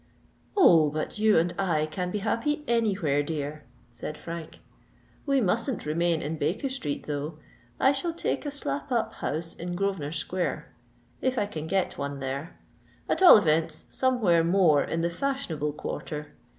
"Oh! but you and I can be happy any where, dear," said Frank. "We mustn't remain in Baker Street, though: I shall take a slap up house in Grosvenor Square, if I can get one there: at all events, somewhere more in the fashionable quarter.